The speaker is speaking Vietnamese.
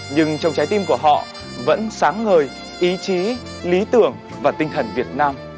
nhưng trong trái tim của họ vẫn sáng ngời ý chí lý tưởng và tinh thần việt nam